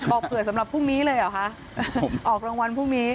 เผื่อสำหรับพรุ่งนี้เลยเหรอคะออกรางวัลพรุ่งนี้